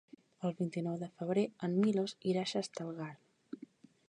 El vint-i-nou de febrer en Milos irà a Xestalgar.